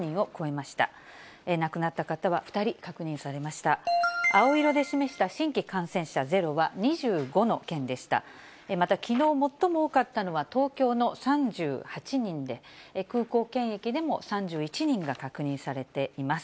またきのう最も多かったのは東京の３８人で、空港検疫でも３１人が確認されています。